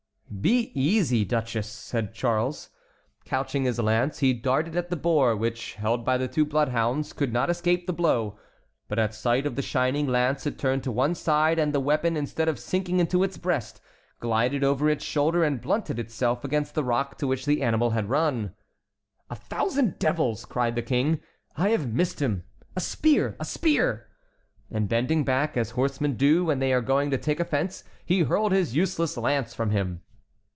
"Be easy, duchess!" said Charles. Couching his lance, he darted at the boar which, held by the two bloodhounds, could not escape the blow. But at sight of the shining lance it turned to one side, and the weapon, instead of sinking into its breast, glided over its shoulder and blunted itself against the rock to which the animal had run. "A thousand devils!" cried the King. "I have missed him. A spear! a spear!" And bending back, as horsemen do when they are going to take a fence, he hurled his useless lance from him.